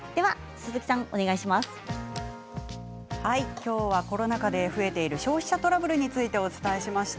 きょうはコロナ禍で増えている消費者トラブルについてお伝えしました。